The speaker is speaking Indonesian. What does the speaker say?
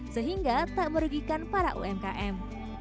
sehingga tak merugikan para umkm